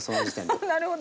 あなるほど。